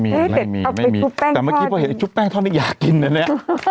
ไม่มีแต่เมื่อกี้พอเห็นชุบแป้งทอดนี่อยากกินอันนี้